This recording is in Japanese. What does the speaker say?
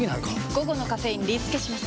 午後のカフェインリスケします！